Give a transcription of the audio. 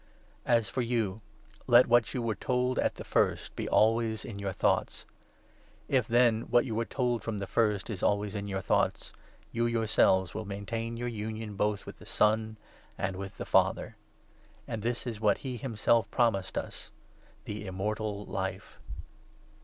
As for you, let what you were 24 told at the first be always in your thoughts. If, then, what you were told from the first is always in your thoughts, you yourselves will maintain your union both with the Son and with the Father. And this is what he himself promised us — 25 The Immortal Life